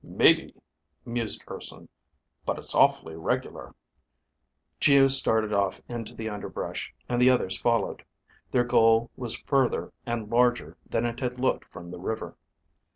"Maybe," mused Urson, "but it's awfully regular." Geo started off into the underbrush, and the others followed. Their goal was further and larger than it had looked from the river.